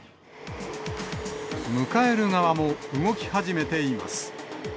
迎える側も動き始めています。